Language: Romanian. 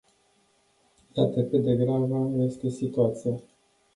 Iată cât de gravă este situația.